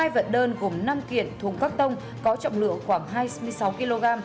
hai vật đơn gồm năm kiện thùng cắt tông có trọng lượng khoảng hai mươi sáu kg